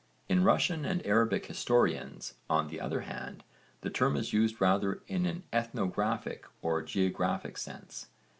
In Russian and Arabic historians on the other hand the term is used rather in an ethnographic or geographic sense.